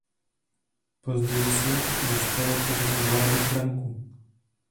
Později se dostalo pod nadvládu Franků.